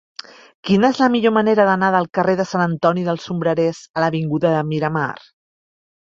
Quina és la millor manera d'anar del carrer de Sant Antoni dels Sombrerers a l'avinguda de Miramar?